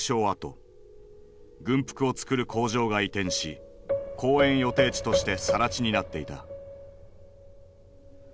軍服を作る工場が移転し公園予定地としてさら地になっていた。